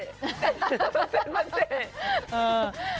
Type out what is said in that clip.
เส้นมันเศษ